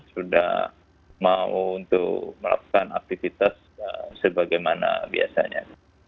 sudah mau untuk melakukan aktivitas sebagaimana biasanya